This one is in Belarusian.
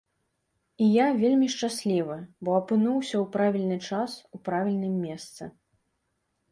І я вельмі шчаслівы, бо апынуўся ў правільны час у правільным месцы.